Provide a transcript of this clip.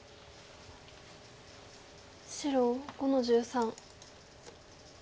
白５の十三。